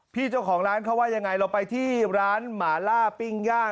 เจ้าของร้านเขาว่ายังไงเราไปที่ร้านหมาล่าปิ้งย่าง